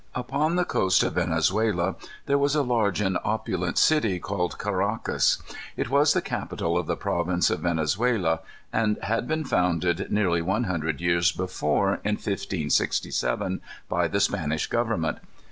Upon the coast of Venezuela there was a large and opulent city, called Caraccas. It was the capital of the province of Venezuela, and had been founded nearly one hundred years before, in 1567, by the Spanish Government.